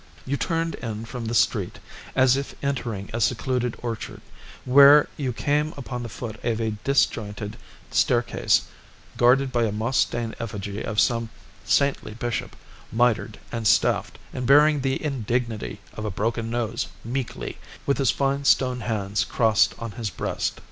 You turned in from the street, as if entering a secluded orchard, where you came upon the foot of a disjointed staircase, guarded by a moss stained effigy of some saintly bishop, mitred and staffed, and bearing the indignity of a broken nose meekly, with his fine stone hands crossed on his breast.